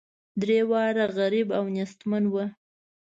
درې واړه غریب او نیستمن وه.